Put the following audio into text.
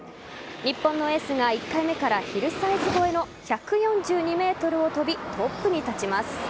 日本のエースが１回目からヒルサイズ越えの１４２ｍを飛びトップに立ちます。